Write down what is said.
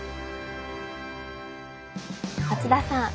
松田さん